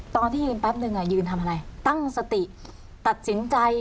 ตอนที่ยืนแป๊บนึงยืนทำอะไรตั้งสติตัดสินใจ